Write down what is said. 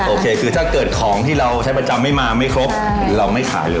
โอเคคือถ้าเกิดของที่เราใช้ประจำไม่มาไม่ครบเราไม่ขายเลย